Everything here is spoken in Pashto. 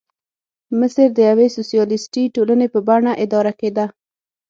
مصر د یوې سوسیالیستي ټولنې په بڼه اداره کېده.